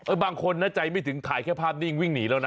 บางคนนะใจไม่ถึงถ่ายแค่ภาพนิ่งวิ่งหนีแล้วนะ